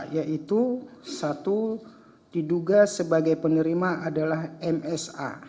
yaitu satu diduga sebagai penerima adalah msa